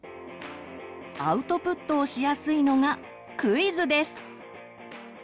アウトプットをしやすいのがクイズです。